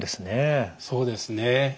そうですね。